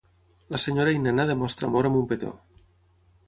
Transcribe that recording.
La senyora i nena demostra amor amb un petó.